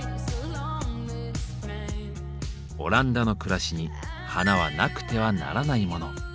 オランダの暮らしに花はなくてはならないモノ。